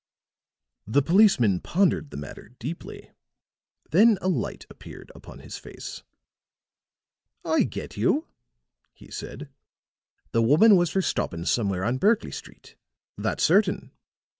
The policeman pondered the matter deeply; then a light appeared upon his face. "I get you," he said. "The woman was for stoppin' somewhere on Berkley Street. That's certain.